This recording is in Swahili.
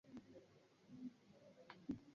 Benki inatafakari kutoa sarafu ya kidigitali